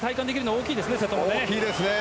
大きいですね。